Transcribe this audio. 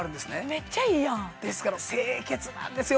めっちゃいいやんですから清潔なんですよ